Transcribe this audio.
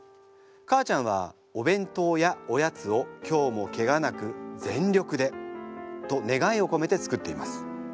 母ちゃんはお弁当やおやつを今日もケガなく全力でと願いをこめて作っています。